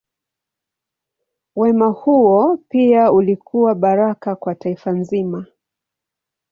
Wema huo pia ulikuwa baraka kwa taifa zima.